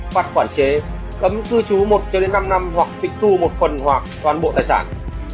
phạt khoản chế cấm cư trú một năm năm hoặc tịch thu một phần hoặc toàn bộ tài sản